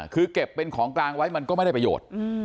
คือเก็บเป็นของกลางไว้มันก็ไม่ได้ประโยชน์